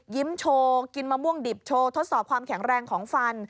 โชว์กินมะม่วงดิบโชว์ทดสอบความแข็งแรงของฟัน